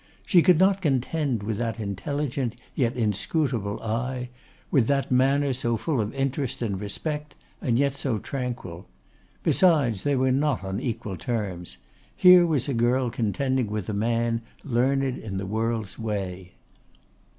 She could not contend with that intelligent, yet inscrutable, eye; with that manner so full of interest and respect, and yet so tranquil. Besides, they were not on equal terms. Here was a girl contending with a man learned in the world's way.